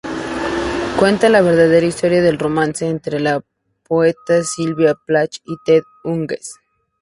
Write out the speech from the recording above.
Cuenta la verdadera historia del romance entre los poetas Sylvia Plath y Ted Hughes.